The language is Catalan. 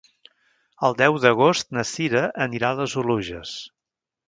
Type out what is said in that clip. El deu d'agost na Cira anirà a les Oluges.